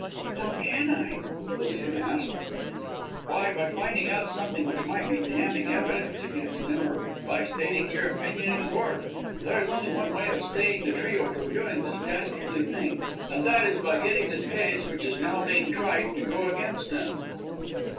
"How can I?" Lilian asked. "Why, by finding out something which might be damning evidence against them, or by stating your opinion in Court. There is only one way of staying the trio from doing this dastardly thing, and that is by getting this case, which is now being tried, to go against them."